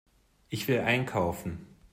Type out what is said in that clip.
Ich will einkaufen.